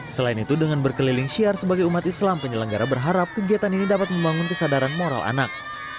selain itu dengan berkeliling syiar sebagai umat islam penyelenggara berharap kegiatan ini dapat membangun kesadaran moral anak